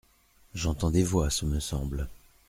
J'entends des voix, ce me semble.